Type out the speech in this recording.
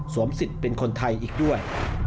สิทธิ์เป็นคนไทยอีกด้วย